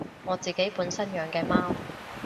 我自己本身養嘅貓